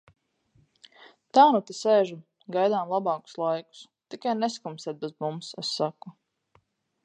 Tā nu te sēžam, gaidām labākus laikus. Tikai neskumstiet bez mums, – es saku...